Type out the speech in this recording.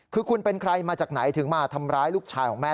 คือคุณเป็นใครมาจากไหนถึงมาทำร้ายลูกชายของแม่